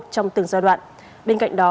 trong từng giai đoạn bên cạnh đó